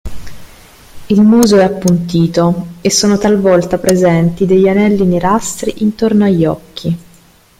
Il muso è appuntito e sono talvolta presenti degli anelli nerastri intorno agli occhi.